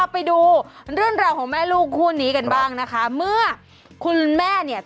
เป็นไงอร่อยไหมเอาตรงเลยแม่ไม่โกรธ